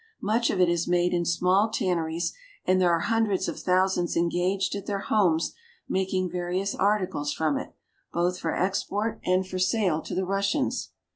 Much of it is made in small tanneries, and there are hundreds of thousands engaged at their homes making various articles from it, both for export and for sale to the Russians.